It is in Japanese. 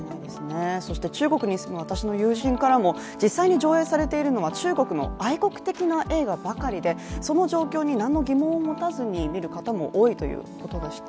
そして中国に住む私の友人からも実際に上映されているのは中国の愛国的な映画ばかりで、その状況に何の疑問も持たずに見る方も多いということでした。